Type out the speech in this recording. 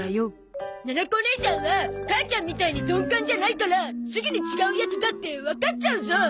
ななこおねいさんは母ちゃんみたいに鈍感じゃないからすぐに違うやつだってわかっちゃうゾ！